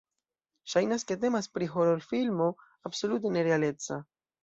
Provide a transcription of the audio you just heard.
Ŝajnas, ke temas pri hororfilmo absolute ne-realeca.